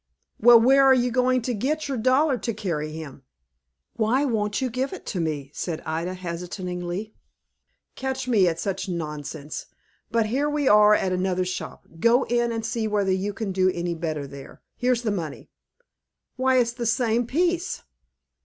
"Well, where are you going to get your dollar to carry him?" "Why, won't you give it to me?" said Ida, hesitatingly. "Catch me at such nonsense! But here we are at another shop. Go in and see whether you can do any better there. Here's the money." "Why, it's the same piece."